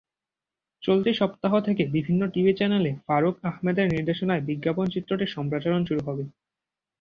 চলতি সপ্তাহ থেকে বিভিন্ন টিভি চ্যানেলে ফারুক আহমেদের নির্দেশনায় বিজ্ঞাপনচিত্রটির সম্প্রচার শুরু হবে।